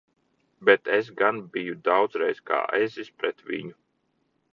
Bet es gan biju daudzreiz kā ezis pret viņu!